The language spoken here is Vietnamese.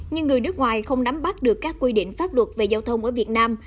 nhưng người nước ngoài không nắm bắt được các quy định pháp luật về giao thông ở việt nam